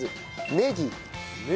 ねぎ。